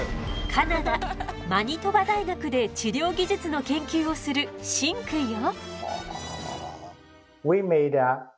カナダマニトバ大学で治療技術の研究をするシンくんよ。